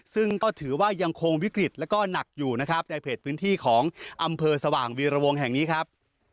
ซึ่งก็ถือว่ายังคงวิกฤตแล้วก็หนักอยู่นะครับในเพจพื้นที่ของอำเภอสว่างวีรวงแห่งนี้ครับ